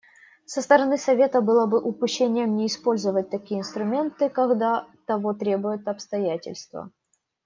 Со стороны Совета было бы упущением не использовать такие инструменты, когда того требуют обстоятельства.